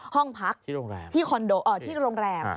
ห้องพักที่โรงแรม